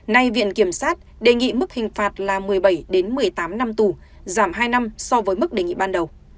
nay viện kiểm sát đề nghị mức hình phạt là một mươi bảy một mươi tám năm tù giảm hai năm so với mức đề nghị ban đầu